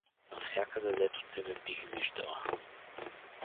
— Навсякъде, дето тебе бих виждала.